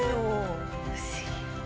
不思議。